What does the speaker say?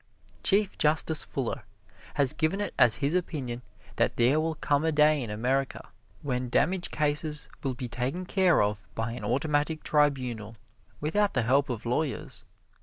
Chief Justice Fuller has given it as his opinion that there will come a day in America when damage cases will be taken care of by an automatic tribunal, without the help of lawyers.